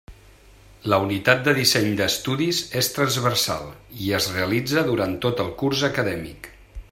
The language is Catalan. La unitat de disseny d'estudis és transversal i es realitza durant tot el curs acadèmic.